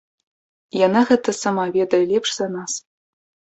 Яна гэта сама ведае лепш за нас.